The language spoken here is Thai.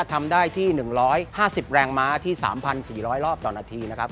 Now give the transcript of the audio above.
ทำได้ที่๑๕๐แรงม้าที่๓๔๐๐รอบต่อนาทีนะครับ